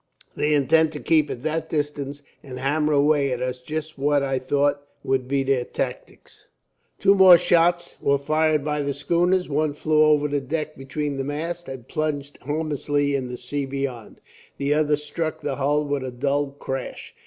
They intend to keep at that distance, and hammer away at us. Just what I thought would be their tactics." Two more shots were fired by the schooners. One flew over the deck between the masts, and plunged harmlessly in the sea beyond. The other struck the hull with a dull crash.